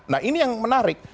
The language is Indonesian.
nah ini yang menarik